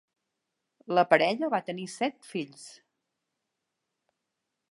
La parella va tenir set fills.